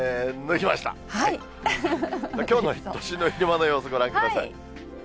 きょうの都心の昼間の様子、ご覧ください。